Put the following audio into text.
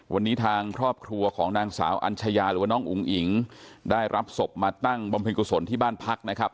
วันนี้ทางครอบครัวของนางสาวอัญชยาหรือว่าน้องอุ๋งอิ๋งได้รับศพมาตั้งบำเพ็ญกุศลที่บ้านพักนะครับ